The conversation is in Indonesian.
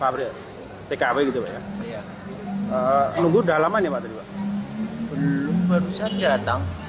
belum baru saja datang